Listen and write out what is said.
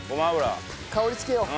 香り付けよう。